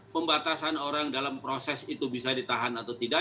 pembatasan orang dalam proses itu bisa ditahan atau tidak